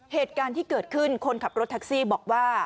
เหตุการณ์ที่เกิดขึ้นคนขับรถแท็กซี่บอกว่า